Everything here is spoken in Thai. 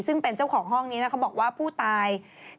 ซึ่งเป็นเจ้าของห้องนี้นะเขาบอกว่าผู้ตาย